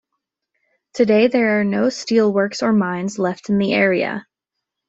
Today there are no steelworks or mines left in the area.